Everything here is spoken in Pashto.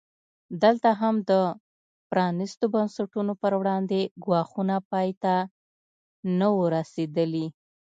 دلته هم د پرانیستو بنسټونو پر وړاندې ګواښونه پای ته نه وو رسېدلي.